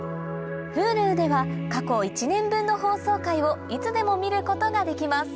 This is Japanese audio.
Ｈｕｌｕでは過去１年分の放送回をいつでも見ることができます